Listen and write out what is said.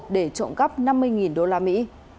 để trộn cắp năm mươi đô la mỹ